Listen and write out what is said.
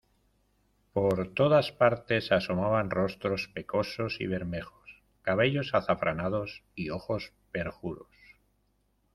por todas partes asomaban rostros pecosos y bermejos, cabellos azafranados y ojos perjuros.